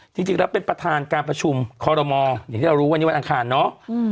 จริงแล้วเป็นประธานการประชุมคอรมออย่างที่เรารู้วันนี้วันอังคารเนาะ